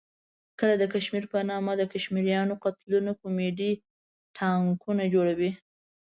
کله د کشمیر په نامه د کشمیریانو قتلونه کومیډي ناټکونه جوړوي.